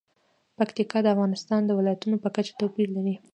پکتیکا د افغانستان د ولایاتو په کچه توپیر لري.